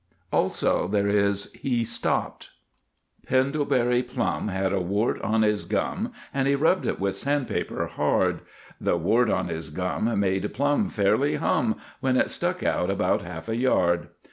Also, there is He Stopped: Pendlebury Plum had a wart on his gum, And he rubbed it with sand paper hard; The wart on his gum made Plum fairly hum, When it stuck out about half a yard.